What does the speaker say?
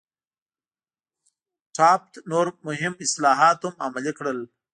ټافت نور مهم اصلاحات هم عملي کړل.